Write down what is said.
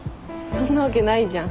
そんなわけないじゃん。